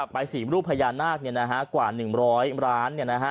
ใบสีรูปพญานาคกว่า๑๐๐ร้าน